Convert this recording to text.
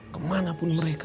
kemana pun mereka